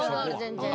全然。